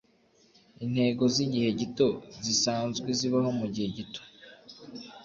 Intego zigihe gito zianzwe zibaho mugihe gito,